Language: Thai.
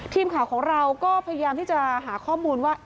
ทีมข่าวของเราก็พยายามที่จะหาข้อมูลว่า